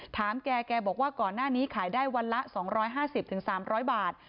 ถามแกแกบอกว่าก่อนหน้านี้ขายได้วันละ๒๕๐๓๐๐บาท